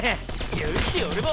よし俺も！